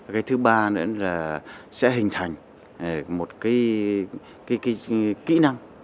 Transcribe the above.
cái thứ ba nữa là sẽ hình thành một cái kỹ năng